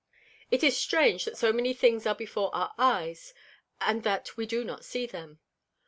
It is strange that so many things are before our Eyes, and that we do not see them.